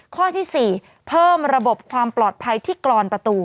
ข้อที่๔เพิ่มระบบความปลอดภัยที่กรอนประตู